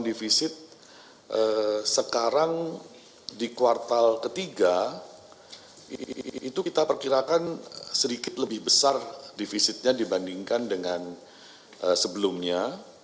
defisit sekarang di kuartal ketiga itu kita perkirakan sedikit lebih besar defisitnya dibandingkan dengan sebelumnya